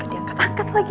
gak diangkat angkat lagi